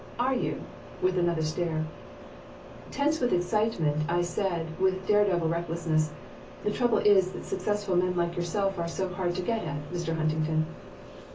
"Are you?" With another stare Tense with excitement, I said, with daredevil recklessness: "The trouble is that successful men like yourself are so hard to get at, Mr. Huntington."